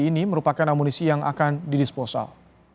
ini merupakan amunisi yang akan didisposal